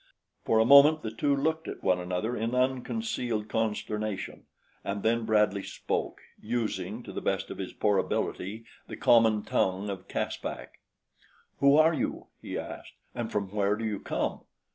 For a moment the two looked at one another in unconcealed consternation, and then Bradley spoke, using to the best of his poor ability, the common tongue of Caspak. "Who are you," he asked, "and from where do you come?